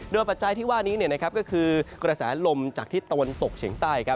ปัจจัยที่ว่านี้ก็คือกระแสลมจากทิศตะวันตกเฉียงใต้